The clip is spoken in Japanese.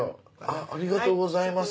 ありがとうございます。